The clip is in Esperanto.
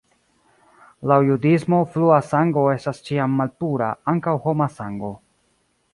Laŭ judismo flua sango estas ĉiam malpura, ankaŭ homa sango.